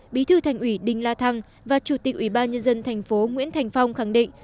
bí thư thành ủy đinh la thăng và chủ tịch ủy ban nhân dân thành phố nguyễn thành phong khẳng định